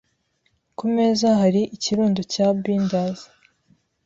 Ku meza hari ikirundo cya binders.